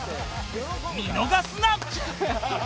見逃すな！